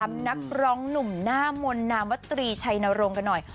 ทำนักร้องหนุ่มหน้ามนตรีชัยนโรงกันหน่อย